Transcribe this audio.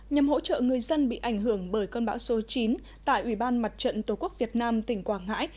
nhằm hỗ trợ người dân bị ảnh hưởng bởi cơn bão số chín tại ubnd tqvn tỉnh quảng ngãi